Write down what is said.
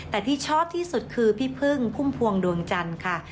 แต่ที่ชอบที่สุดคือพี่พึ่งพุ่มพวงดวงจันทร์ค่ะ